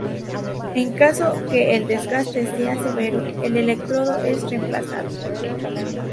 En caso que el desgaste sea severo, el electrodo es reemplazado.